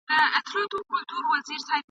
نن مي پر زړه باندي را اورې څه خوږه لګېږې ..